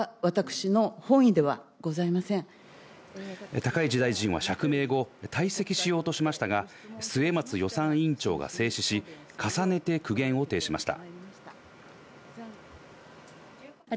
高市大臣は釈明後、退席しようとしましたが、末松予算委員長が制止し、重ねて苦言を呈しました。